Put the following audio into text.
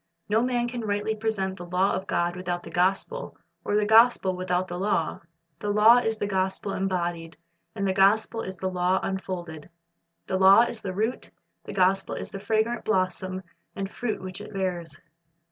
No man can rightly present the law of God without the gospel, or the gospel without the law. The law is the gospel embodied, and the gospel is the law unfolded. The law is the root, the gospel is the fragrant blossom and fruit which it bears.